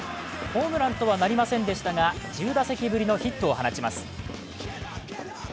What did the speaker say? ホームランとはなりませんでしたが、１０打席ぶりのヒットを放ちます。